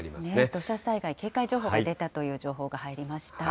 土砂災害警戒情報が出たという情報が入りました。